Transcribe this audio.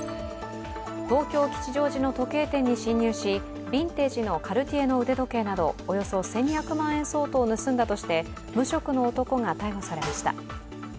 東京・吉祥寺の時計店に侵入しビンテージのカルティエの腕時計など、およそ１２００万円相当を盗んだとして無職の男が逮捕されました。